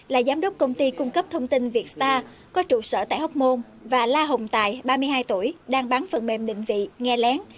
là giám đốc công ty cung cấp thông tin vietstar có trụ sở tại hóc môn và la hồng tài ba mươi hai tuổi đang bán phần mềm định vị nghe lén